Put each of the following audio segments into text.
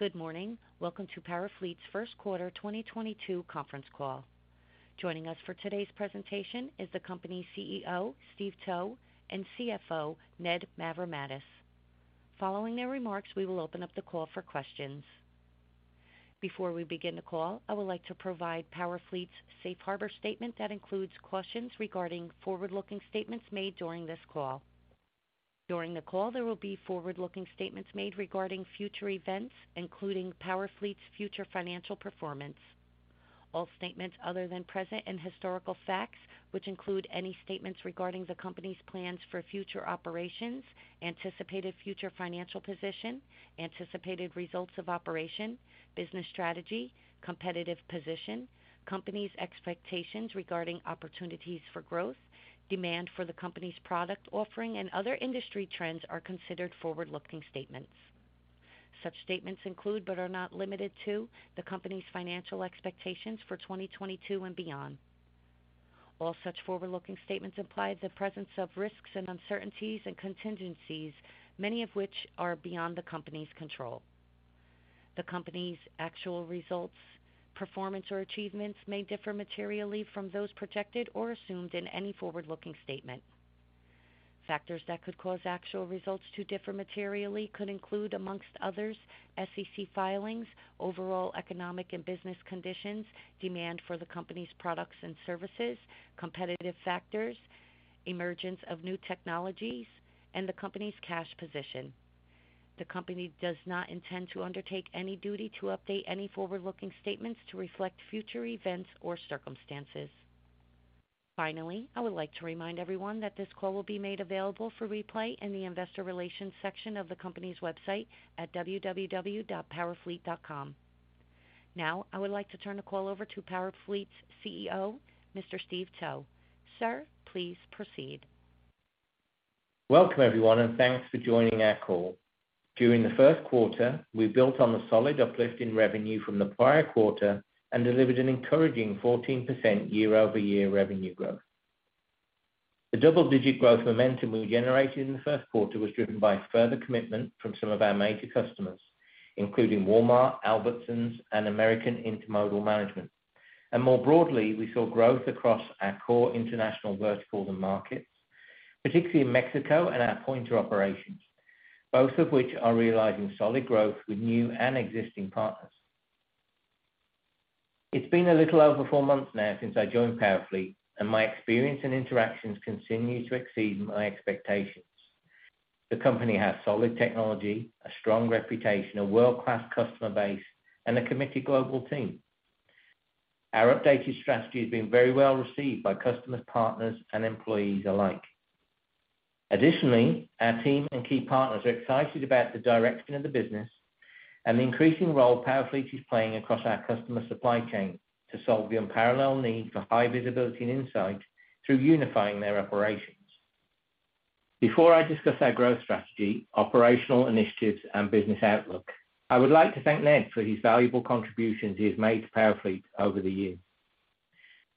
Good morning. Welcome to PowerFleet's first quarter 2022 conference call. Joining us for today's presentation is the company's CEO, Steve Towe, and CFO, Ned Mavrommatis. Following their remarks, we will open up the call for questions. Before we begin the call, I would like to provide PowerFleet's safe harbor statement that includes cautions regarding forward-looking statements made during this call. During the call, there will be forward-looking statements made regarding future events, including PowerFleet's future financial performance. All statements other than present and historical facts, which include any statements regarding the company's plans for future operations, anticipated future financial position, anticipated results of operation, business strategy, competitive position, company's expectations regarding opportunities for growth, demand for the company's product offering, and other industry trends are considered forward-looking statements. Such statements include, but are not limited to, the company's financial expectations for 2022 and beyond. All such forward-looking statements imply the presence of risks and uncertainties and contingencies, many of which are beyond the company's control. The company's actual results, performance, or achievements may differ materially from those projected or assumed in any forward-looking statement. Factors that could cause actual results to differ materially could include, amongst others, SEC filings, overall economic and business conditions, demand for the company's products and services, competitive factors, emergence of new technologies, and the company's cash position. The company does not intend to undertake any duty to update any forward-looking statements to reflect future events or circumstances. Finally, I would like to remind everyone that this call will be made available for replay in the investor relations section of the company's website at www.powerfleet.com. Now, I would like to turn the call over to PowerFleet's CEO, Mr. Steve Towe. Sir, please proceed. Welcome, everyone, and thanks for joining our call. During the first quarter, we built on the solid uplift in revenue from the prior quarter and delivered an encouraging 14% year-over-year revenue growth. The double-digit growth momentum we generated in the first quarter was driven by further commitment from some of our major customers, including Walmart, Albertsons, and American Intermodal Management. More broadly, we saw growth across our core international verticals and markets, particularly in Mexico and our Pointer operations, both of which are realizing solid growth with new and existing partners. It's been a little over four months now since I joined PowerFleet, and my experience and interactions continue to exceed my expectations. The company has solid technology, a strong reputation, a world-class customer base, and a committed global team. Our updated strategy is being very well received by customers, partners, and employees alike. Additionally, our team and key partners are excited about the direction of the business and the increasing role PowerFleet is playing across our customer supply chain to solve the unparalleled need for high visibility and insight through unifying their operations. Before I discuss our growth strategy, operational initiatives, and business outlook, I would like to thank Ned for his valuable contributions he has made to PowerFleet over the years.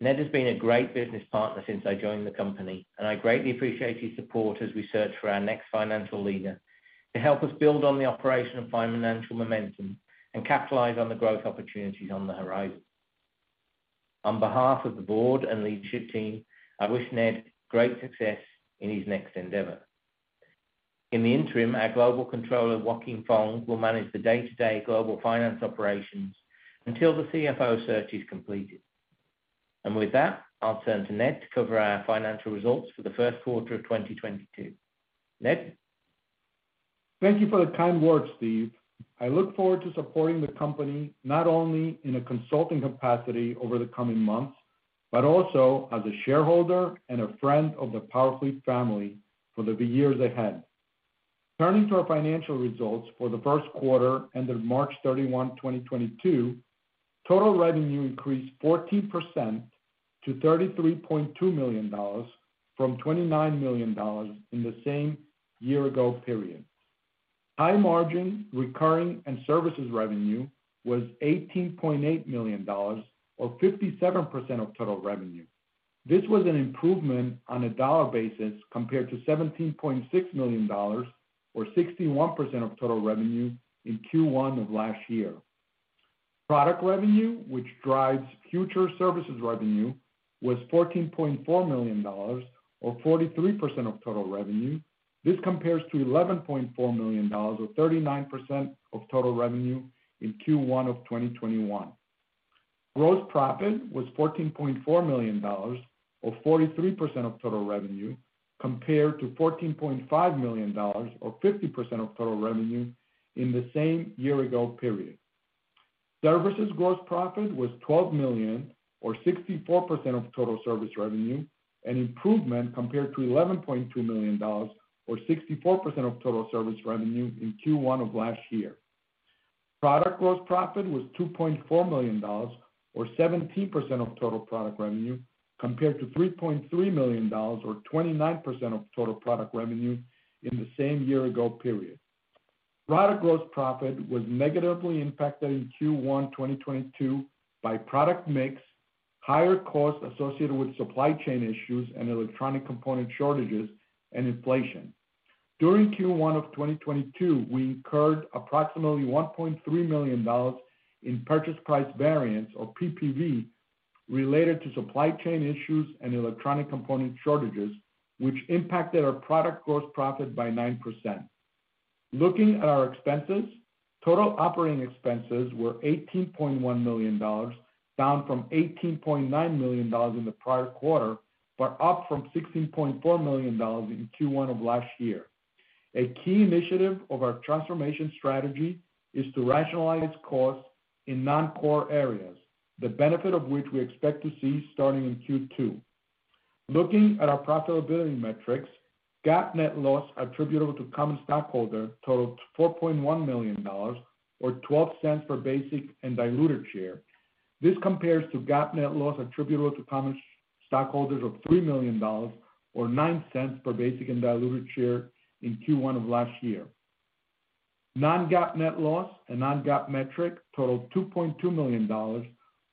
Ned has been a great business partner since I joined the company, and I greatly appreciate his support as we search for our next financial leader to help us build on the operational and financial momentum and capitalize on the growth opportunities on the horizon. On behalf of the board and leadership team, I wish Ned great success in his next endeavor. In the interim, our Global Controller, Joaquin Fong, will manage the day-to-day global finance operations until the CFO search is completed. With that, I'll turn to Ned to cover our financial results for the first quarter of 2022. Ned? Thank you for the kind words, Steve. I look forward to supporting the company not only in a consulting capacity over the coming months, but also as a shareholder and a friend of the PowerFleet family for the years ahead. Turning to our financial results for the first quarter ended March 31, 2022, total revenue increased 14% to $33.2 million from $29 million in the same year-ago period. High margin recurring and services revenue was $18.8 million or 57% of total revenue. This was an improvement on a dollar basis compared to $17.6 million or 61% of total revenue in Q1 of last year. Product revenue, which drives future services revenue, was $14.4 million or 43% of total revenue. This compares to $11.4 million or 39% of total revenue in Q1 of 2021. Gross profit was $14.4 million or 43% of total revenue, compared to $14.5 million or 50% of total revenue in the same year-ago period. Services gross profit was $12 million or 64% of total service revenue, an improvement compared to $11.2 million or 64% of total service revenue in Q1 of last year. Product gross profit was $2.4 million or 17% of total product revenue, compared to $3.3 million or 29% of total product revenue in the same year-ago period. Product gross profit was negatively impacted in Q1 2022 by product mix, higher costs associated with supply chain issues and electronic component shortages and inflation. During Q1 of 2022, we incurred approximately $1.3 million in purchase price variance, or PPV, related to supply chain issues and electronic component shortages, which impacted our product gross profit by 9%. Looking at our expenses, total operating expenses were $18.1 million, down from $18.9 million in the prior quarter, but up from $16.4 million in Q1 of last year. A key initiative of our transformation strategy is to rationalize costs in non-core areas, the benefit of which we expect to see starting in Q2. Looking at our profitability metrics, GAAP net loss attributable to common stockholder totaled $4.1 million, or $0.12 per basic and diluted share. This compares to GAAP net loss attributable to common stockholders of $3 million, or $0.09 per basic and diluted share in Q1 of last year. Non-GAAP net loss, a non-GAAP metric, totaled $2.2 million,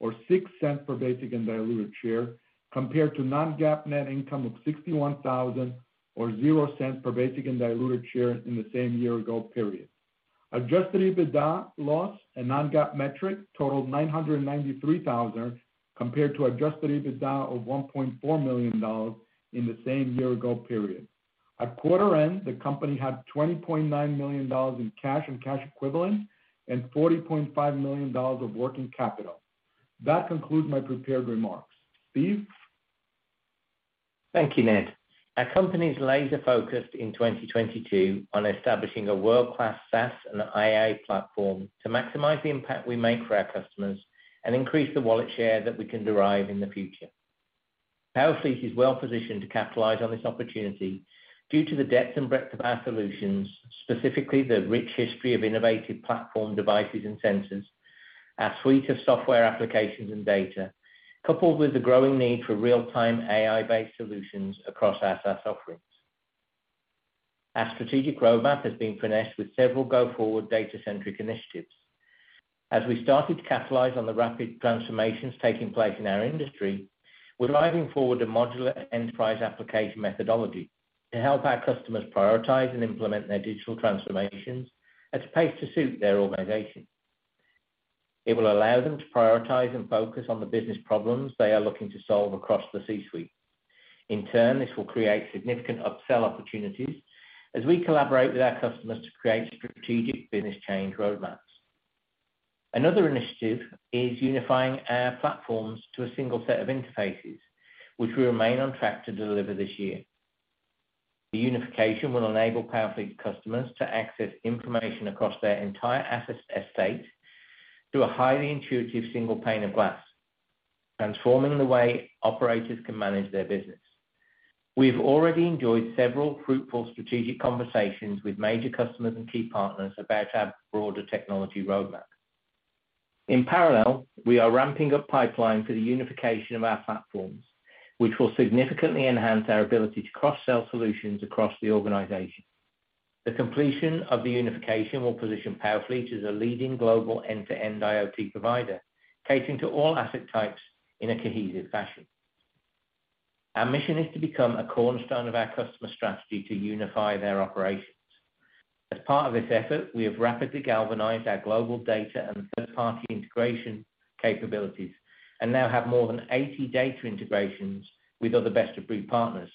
or $0.06 per basic and diluted share, compared to non-GAAP net income of $61,000 or $0.00 per basic and diluted share in the same year ago period. Adjusted EBITDA loss, a non-GAAP metric, totaled $993,000, compared to adjusted EBITDA of $1.4 million in the same year ago period. At quarter end, the company had $20.9 million in cash and cash equivalents and $40.5 million of working capital. That concludes my prepared remarks. Steve? Thank you, Ned. Our company's laser-focused in 2022 on establishing a world-class SaaS and AI platform to maximize the impact we make for our customers and increase the wallet share that we can derive in the future. PowerFleet is well-positioned to capitalize on this opportunity due to the depth and breadth of our solutions, specifically the rich history of innovative platform devices and sensors, our suite of software applications and data, coupled with the growing need for real-time AI-based solutions across our SaaS offerings. Our strategic roadmap has been finessed with several go-forward data-centric initiatives. As we started to capitalize on the rapid transformations taking place in our industry, we're driving forward a modular enterprise application methodology to help our customers prioritize and implement their digital transformations at a pace to suit their organization. It will allow them to prioritize and focus on the business problems they are looking to solve across the C-suite. In turn, this will create significant upsell opportunities as we collaborate with our customers to create strategic business change roadmaps. Another initiative is unifying our platforms to a single set of interfaces, which we remain on track to deliver this year. The unification will enable PowerFleet customers to access information across their entire assets estate through a highly intuitive single pane of glass, transforming the way operators can manage their business. We've already enjoyed several fruitful strategic conversations with major customers and key partners about our broader technology roadmap. In parallel, we are ramping up pipeline for the unification of our platforms, which will significantly enhance our ability to cross-sell solutions across the organization. The completion of the unification will position PowerFleet as a leading global end-to-end IoT provider, catering to all asset types in a cohesive fashion. Our mission is to become a cornerstone of our customer strategy to unify their operations. As part of this effort, we have rapidly galvanized our global data and third-party integration capabilities and now have more than 80 data integrations with other best-of-breed partners,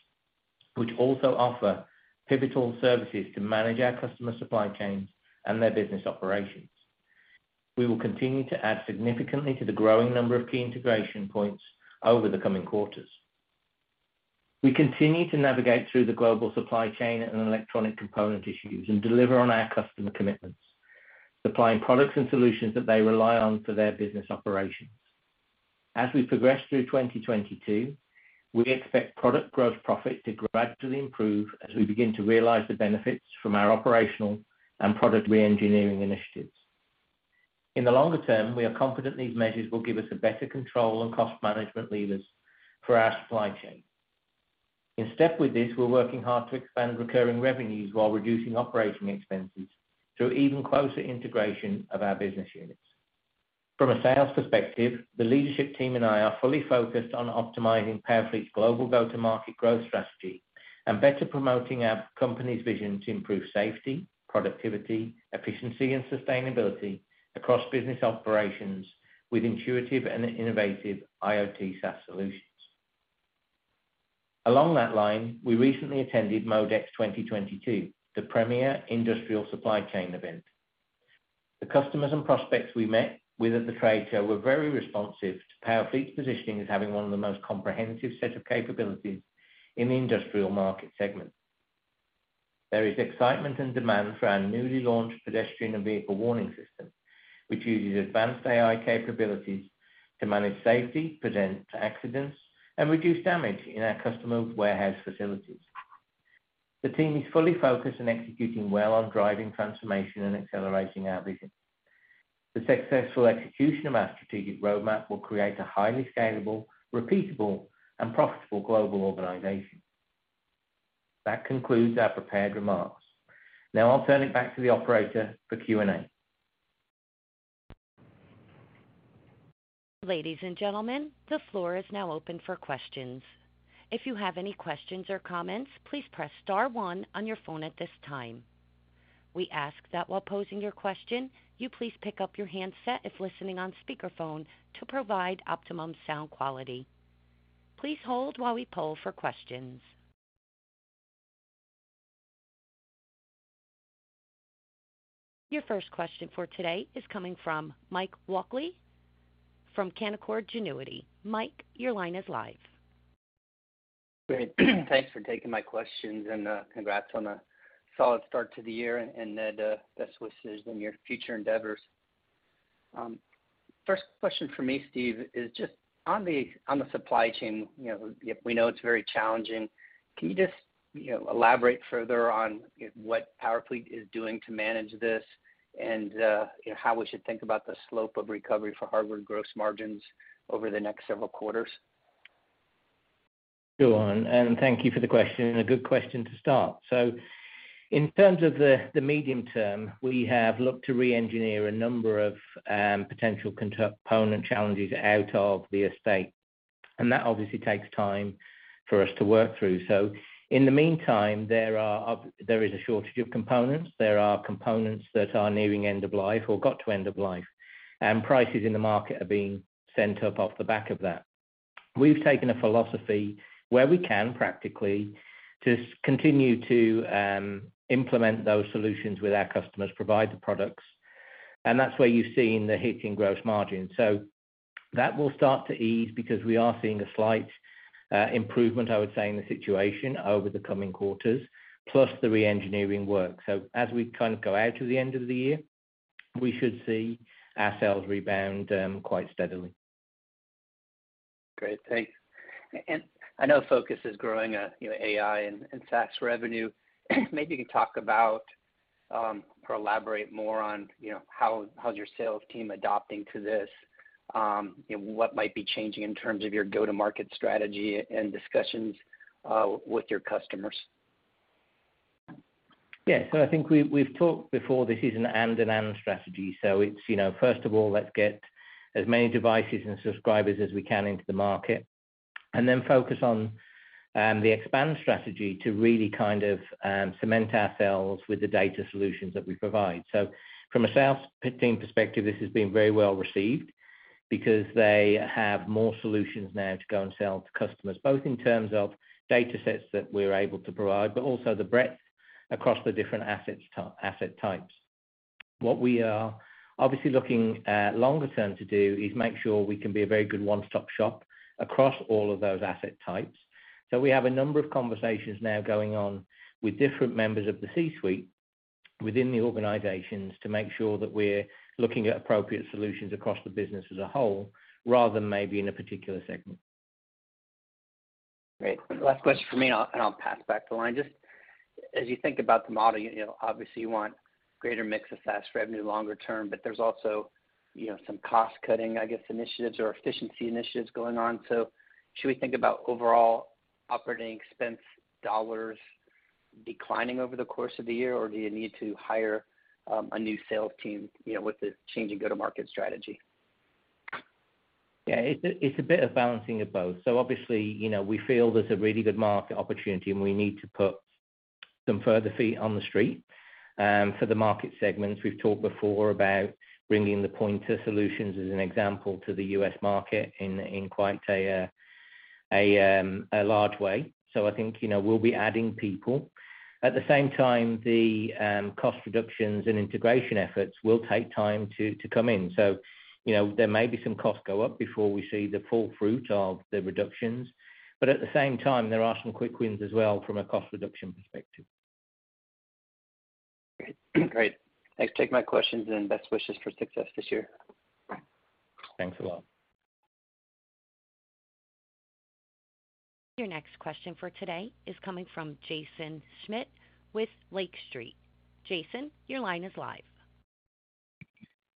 which also offer pivotal services to manage our customer supply chains and their business operations. We will continue to add significantly to the growing number of key integration points over the coming quarters. We continue to navigate through the global supply chain and electronic component issues and deliver on our customer commitments, supplying products and solutions that they rely on for their business operations. As we progress through 2022, we expect product gross profit to gradually improve as we begin to realize the benefits from our operational and product reengineering initiatives. In the longer term, we are confident these measures will give us a better control on cost management levers for our supply chain. In step with this, we're working hard to expand recurring revenues while reducing operating expenses through even closer integration of our business units. From a sales perspective, the leadership team and I are fully focused on optimizing PowerFleet's global go-to-market growth strategy and better promoting our company's vision to improve safety, productivity, efficiency, and sustainability across business operations with intuitive and innovative IoT SaaS solutions. Along that line, we recently attended MODEX 2022, the premier industrial supply chain event. The customers and prospects we met with at the trade show were very responsive to PowerFleet's positioning as having one of the most comprehensive set of capabilities in the industrial market segment. There is excitement and demand for our newly launched pedestrian and vehicle warning system, which uses advanced AI capabilities to manage safety, prevent accidents, and reduce damage in our customer warehouse facilities. The team is fully focused on executing well on driving transformation and accelerating our vision. The successful execution of our strategic roadmap will create a highly scalable, repeatable, and profitable global organization. That concludes our prepared remarks. Now I'll turn it back to the operator for Q&A. Ladies and gentlemen, the floor is now open for questions. If you have any questions or comments, please press star one on your phone at this time. We ask that while posing your question, you please pick up your handset if listening on speakerphone to provide optimum sound quality. Please hold while we poll for questions. Your first question for today is coming from Mike Walkley from Canaccord Genuity. Mike, your line is live. Great. Thanks for taking my questions and, congrats on a solid start to the year, and Ned, best wishes in your future endeavors. First question from me, Steve, is just on the supply chain, you know, we know it's very challenging. Can you just, you know, elaborate further on what PowerFleet is doing to manage this and, how we should think about the slope of recovery for hardware gross margins over the next several quarters? Sure. Thank you for the question, and a good question to start. In terms of the medium term, we have looked to re-engineer a number of potential component challenges out of the estate, and that obviously takes time for us to work through. In the meantime, there is a shortage of components. There are components that are nearing end of life or got to end of life, and prices in the market are being sent up off the back of that. We've taken a philosophy where we can practically just continue to implement those solutions with our customers, provide the products, and that's where you've seen the hit in gross margin. That will start to ease because we are seeing a slight improvement, I would say, in the situation over the coming quarters, plus the re-engineering work. As we kind of go out to the end of the year, we should see our sales rebound quite steadily. Great. Thanks. I know focus is growing on, you know, AI and SaaS revenue. Maybe you could talk about or elaborate more on, you know, how's your sales team adapting to this, you know, what might be changing in terms of your go-to-market strategy and discussions with your customers. Yes. I think we've talked before, this is an and strategy. It's, you know, first of all, let's get as many devices and subscribers as we can into the market and then focus on the expansion strategy to really kind of cement ourselves with the data solutions that we provide. From a sales team perspective, this has been very well received because they have more solutions now to go and sell to customers, both in terms of data sets that we're able to provide, but also the breadth across the different asset types. What we are obviously looking at longer term to do is make sure we can be a very good one-stop shop across all of those asset types. We have a number of conversations now going on with different members of the C-suite within the organizations to make sure that we're looking at appropriate solutions across the business as a whole, rather than maybe in a particular segment. Great. Last question for me, and I'll pass back the line. Just as you think about the model, you know, obviously you want greater mix of SaaS revenue longer term, but there's also, you know, some cost cutting, I guess, initiatives or efficiency initiatives going on. So should we think about overall operating expense dollars declining over the course of the year? Or do you need to hire a new sales team, you know, with the changing go-to-market strategy? Yeah, it's a bit of balancing of both. Obviously, you know, we feel there's a really good market opportunity and we need to put some further feet on the street for the market segments. We've talked before about bringing the Pointer solutions as an example to the U.S. market in quite a large way. I think, you know, we'll be adding people. At the same time, the cost reductions and integration efforts will take time to come in. You know, there may be some costs go up before we see the full fruit of the reductions. At the same time, there are some quick wins as well from a cost reduction perspective. Great. Thanks for taking my questions and best wishes for success this year. Thanks a lot. Your next question for today is coming from Jaeson Schmidt with Lake Street. Jaeson, your line is live.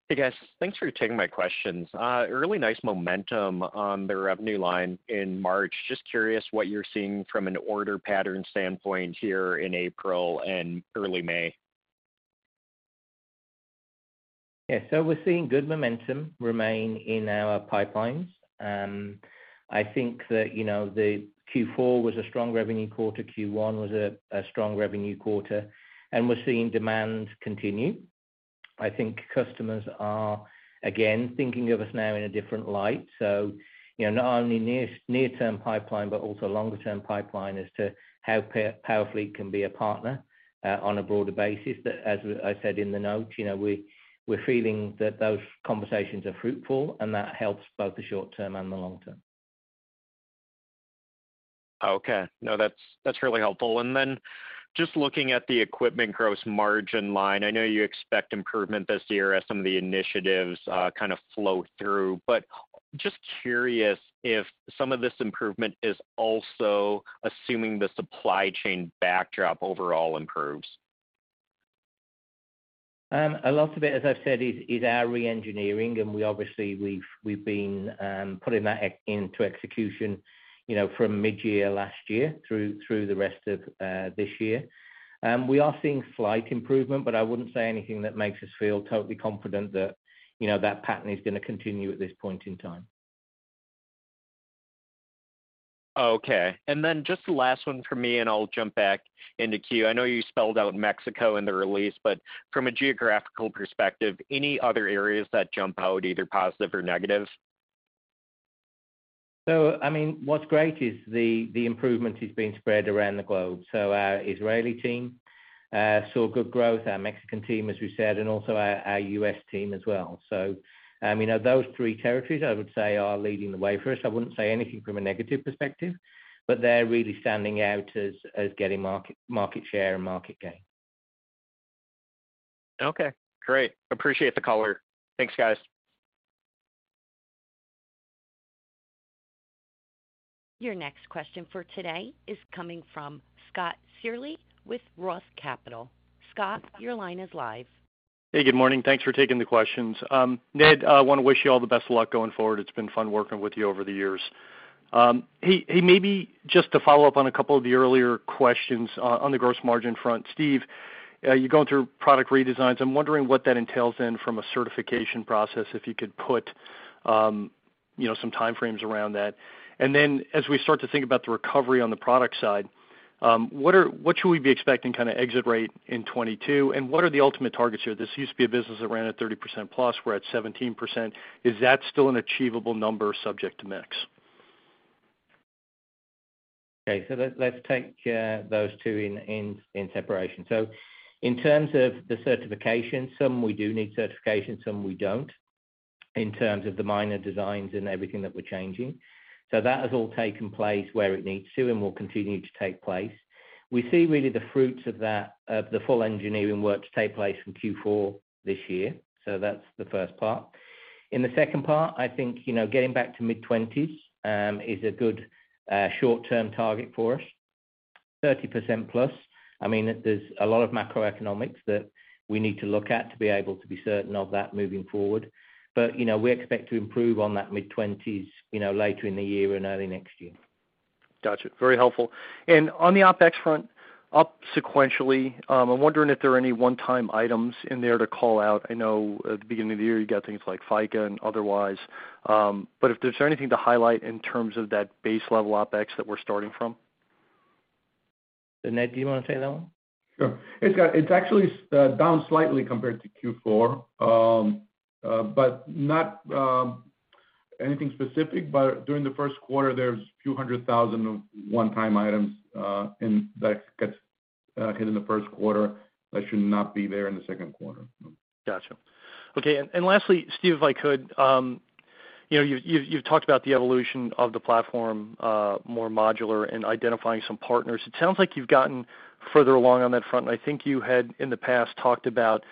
Hey, guys. Thanks for taking my questions. A really nice momentum on the revenue line in March. Just curious what you're seeing from an order pattern standpoint here in April and early May. Yeah. We're seeing good momentum remain in our pipelines. I think that, you know, the Q4 was a strong revenue quarter, Q1 was a strong revenue quarter, and we're seeing demand continue. I think customers are, again, thinking of us now in a different light. You know, not only near-term pipeline, but also longer term pipeline as to how PowerFleet can be a partner on a broader basis. As I said in the note, you know, we're feeling that those conversations are fruitful and that helps both the short term and the long term. Okay. No, that's really helpful. Then just looking at the equipment gross margin line, I know you expect improvement this year as some of the initiatives kind of flow through. But just curious if some of this improvement is also assuming the supply chain backdrop overall improves? A lot of it, as I've said, is our re-engineering, and we obviously have been putting that into execution, you know, from mid-year last year through the rest of this year. We are seeing slight improvement, but I wouldn't say anything that makes us feel totally confident that, you know, that pattern is gonna continue at this point in time. Okay. Just the last one from me, and I'll jump back in the queue. I know you spelled out Mexico in the release, but from a geographical perspective, any other areas that jump out, either positive or negative? I mean, what's great is the improvement is being spread around the globe. Our Israeli team saw good growth, our Mexican team, as we said, and also our U.S. team as well. I mean, those three territories, I would say are leading the way for us. I wouldn't say anything from a negative perspective, but they're really standing out as getting market share and market gain. Okay, great. Appreciate the color. Thanks, guys. Your next question for today is coming from Scott Searle with ROTH Capital Partners. Scott, your line is live. Hey, good morning. Thanks for taking the questions. Ned, I wanna wish you all the best luck going forward. It's been fun working with you over the years. Hey, maybe just to follow up on a couple of the earlier questions, on the gross margin front. Steve, you're going through product redesigns. I'm wondering what that entails then from a certification process, if you could put, you know, some time frames around that. Then as we start to think about the recovery on the product side, what should we be expecting kinda exit rate in 2022? And what are the ultimate targets here? This used to be a business that ran at 30%+. We're at 17%. Is that still an achievable number subject to mix? Okay. Let's take those two in separation. In terms of the certification, some we do need certification, some we don't, in terms of the minor designs and everything that we're changing. That has all taken place where it needs to and will continue to take place. We see really the fruits of that, of the full engineering work to take place in Q4 this year. That's the first part. In the second part, I think, you know, getting back to mid-20s% is a good short-term target for us. 30%+, I mean, there's a lot of macroeconomics that we need to look at to be able to be certain of that moving forward. You know, we expect to improve on that mid-20s%, you know, later in the year and early next year. Gotcha. Very helpful. On the OpEx front, up sequentially, I'm wondering if there are any one-time items in there to call out. I know at the beginning of the year, you got things like FICA and otherwise. If there's anything to highlight in terms of that base level OpEx that we're starting from. Ned, do you wanna take that one? Sure. It's actually down slightly compared to Q4, but not anything specific. During the first quarter, there's a few hundred thousand of one-time items, and that gets hit in the first quarter that should not be there in the second quarter. Gotcha. Okay. Lastly, Steve, if I could, you know, you've talked about the evolution of the platform, more modular and identifying some partners. It sounds like you've gotten further along on that front. I think you had, in the past, talked about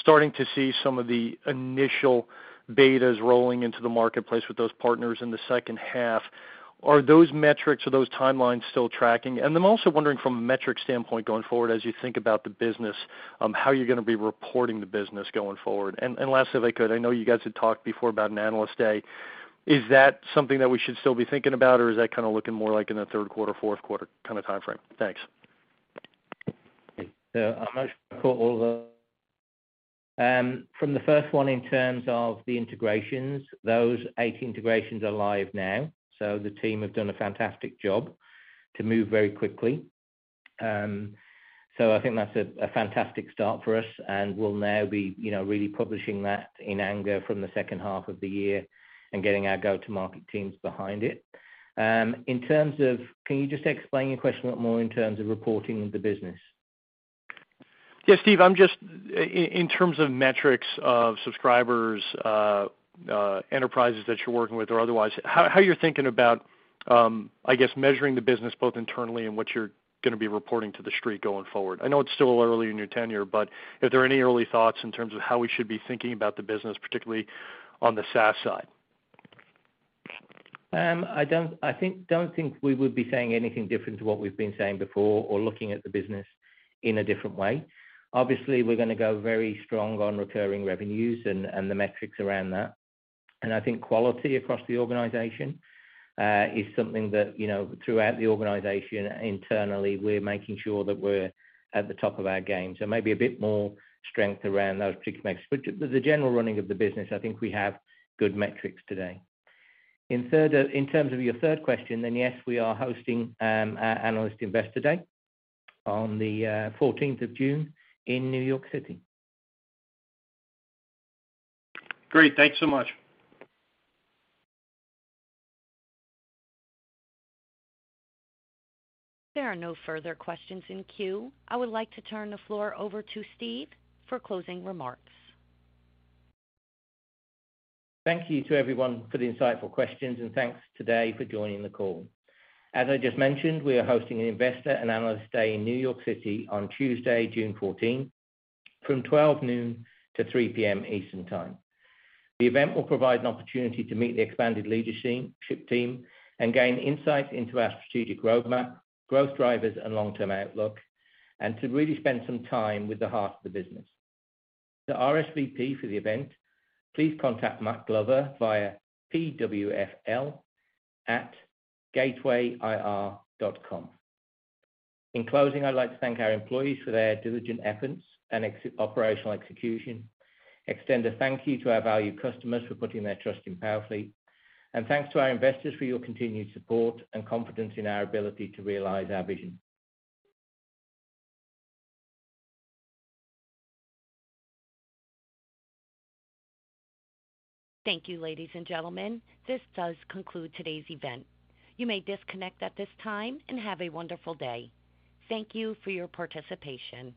starting to see some of the initial betas rolling into the marketplace with those partners in the H2. Are those metrics, are those timelines still tracking? I'm also wondering from a metric standpoint going forward as you think about the business, how you're gonna be reporting the business going forward. Lastly, if I could, I know you guys had talked before about an Analyst Day. Is that something that we should still be thinking about, or is that kinda looking more like in the third quarter, fourth quarter kinda timeframe? Thanks. I'm not sure I caught from the first one in terms of the integrations, those eight integrations are live now, so the team have done a fantastic job to move very quickly. I think that's a fantastic start for us, and we'll now be, you know, really publishing that in anger from the H2 of the year and getting our go-to-market teams behind it. In terms of. Can you just explain your question a lot more in terms of reporting the business? Yeah, Steve, I'm just in terms of metrics of subscribers, enterprises that you're working with or otherwise, how you're thinking about, I guess, measuring the business both internally and what you're gonna be reporting to the street going forward. I know it's still early in your tenure, but if there are any early thoughts in terms of how we should be thinking about the business, particularly on the SaaS side? I don't think we would be saying anything different to what we've been saying before or looking at the business in a different way. Obviously, we're gonna go very strong on recurring revenues and the metrics around that. I think quality across the organization is something that, you know, throughout the organization internally, we're making sure that we're at the top of our game. Maybe a bit more strength around those particular metrics. The general running of the business, I think we have good metrics today. In terms of your third question, yes, we are hosting an Analyst Investor Day on the fourteenth of June in New York City. Great. Thanks so much. There are no further questions in queue. I would like to turn the floor over to Steve for closing remarks. Thank you to everyone for the insightful questions, and thanks today for joining the call. As I just mentioned, we are hosting an Investor and Analyst Day in New York City on Tuesday, June fourteenth, from 12 noon to 3 P.M. Eastern Time. The event will provide an opportunity to meet the expanded leadership team and gain insight into our strategic roadmap, growth drivers, and long-term outlook, and to really spend some time with the heart of the business. To RSVP for the event, please contact Matt Glover via PWFL@gatewayir.com. In closing, I'd like to thank our employees for their diligent efforts and operational execution, extend a thank you to our valued customers for putting their trust in PowerFleet, and thanks to our investors for your continued support and confidence in our ability to realize our vision. Thank you, ladies and gentlemen. This does conclude today's event. You may disconnect at this time and have a wonderful day. Thank you for your participation.